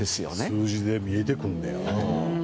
数字で見えてくるんや。